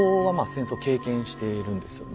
戦争経験しているんですよね。